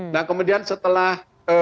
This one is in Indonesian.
nah kemudian setelah